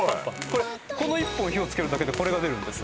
これこの１本火をつけるだけでこれが出るんです